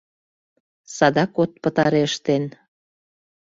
Садак от пытаре ыштен».